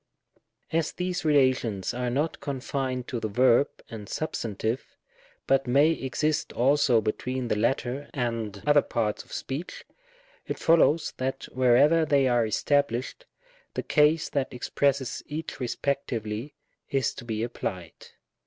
As these relations are not confined to the verb and substantive, but may exist also between the latter and other parts of speech, it follows that wherever they are established, the case that expresses each respect ively is to be applied.